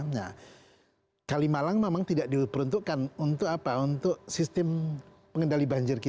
nah kalimalang memang tidak diperuntukkan untuk apa untuk sistem pengendali banjir kita